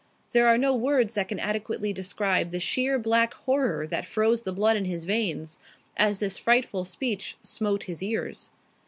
There are no words that can adequately describe the sheer, black horror that froze the blood in his veins as this frightful speech smote his ears.